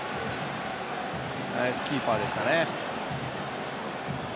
ナイスキーパーでしたね。